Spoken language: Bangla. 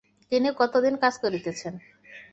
তিনি কতদিন কাজ করিতেছেন?